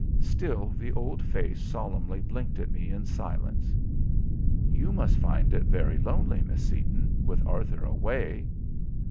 Still the old face solemnly blinked at me in silence. "You must find it very lonely, Miss Seaton, with Arthur away?"